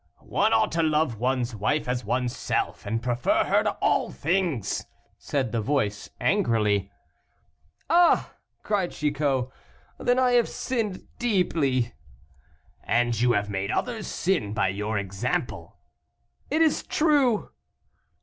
"One ought to love one's wife as one's self, and prefer her to all things," said the voice, angrily. "Ah!" cried Chicot, "then I have sinned deeply." "And you have made others sin by your example." "It is true."